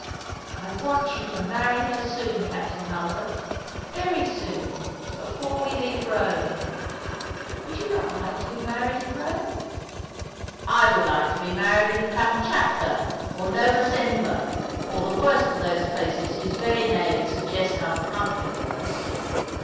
I want you to marry her soon. Captain Hulbert — very soon, before we leave Eome. V/ould you not like to be married in Eome ?" "I would like to be married in Kamtchatka, or Nova Zembla — or the worst of those places whose very names suggest uncomfortableness.